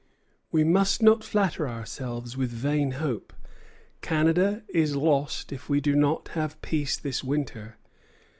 "We must not flatter ourselves with vain hope; Canada is lost if we do not have peace this winter."